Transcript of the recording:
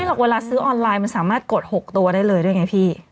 หรอกเวลาซื้อออนไลน์มันสามารถกด๖ตัวได้เลยด้วยไงพี่